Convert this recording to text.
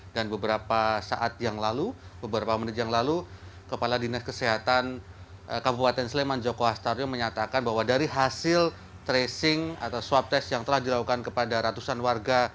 dan beberapa saat yang lalu beberapa menit yang lalu kepala dinas kesehatan kabupaten sleman joko hastarjo menyatakan bahwa dari hasil tracing atau swab test yang telah dilakukan kepada ratusan warga